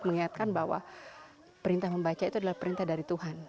mengingatkan bahwa perintah membaca itu adalah perintah dari tuhan